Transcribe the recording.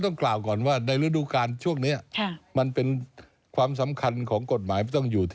ต้องกล่าวก่อนว่าในฤดูการช่วงนี้มันเป็นความสำคัญของกฎหมายมันต้องอยู่ที่